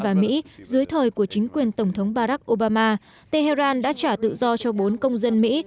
và mỹ dưới thời của chính quyền tổng thống barack obama tehran đã trả tự do cho bốn công dân mỹ